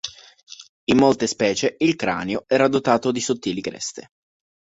In molte specie il cranio era dotato di sottili creste.